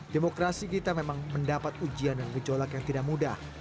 demokrasi kita memang mendapat ujian dan gejolak yang tidak mudah